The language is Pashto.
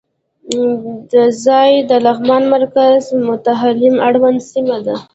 دا ځای د لغمان مرکز مهترلام اړوند سیمه ده.